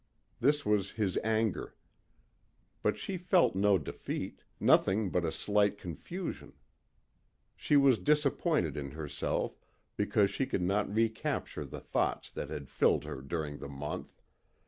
This was his anger. But she felt no defeat, nothing but a slight confusion. She was disappointed in herself because she could not recapture the thoughts that had filled her during the month.